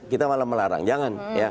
kita malah melarang jangan